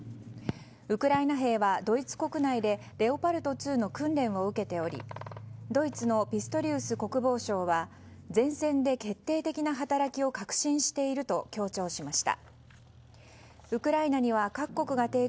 ウクライナ兵はドイツ国内でレオパルト２の訓練を受けておりドイツのピストリウス国防相は前線で決定的な働きを確信していると強調しました。